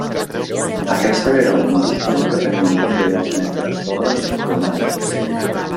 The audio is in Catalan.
Aquesta era un costum que tenien també els mestres d'obres romànics.